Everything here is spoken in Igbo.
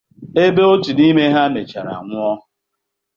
ebe otu n’ime ha mechara nwụọ.”